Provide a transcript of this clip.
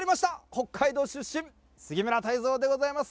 北海道出身、杉村太蔵でございます。